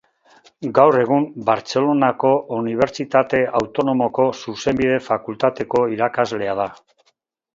Gaur egun Bartzelonako Unibertsitate Autonomoko Zuzenbide Fakultateko irakaslea da.